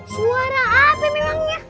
suara apa memangnya